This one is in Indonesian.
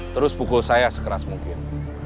terus pukul saya sekeras mungkin